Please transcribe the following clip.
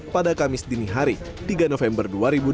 pada kamis dinihari tiga november dua ribu dua puluh